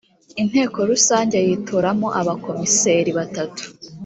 inteko rusange yitoramo abakomiseri batatu